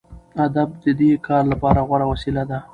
ادب د دې کار لپاره غوره وسیله ده.